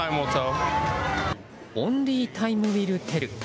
オンリー・タイム・ウィル・テル。